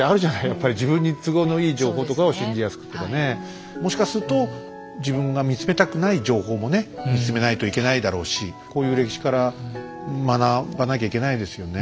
やっぱり自分に都合のいい情報とかを信じやすくとかね。もしかすると自分が見つめたくない情報もね見つめないといけないだろうしこういう歴史から学ばなきゃいけないですよね。